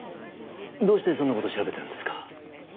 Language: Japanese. どうしてそんな事を調べてるんですか？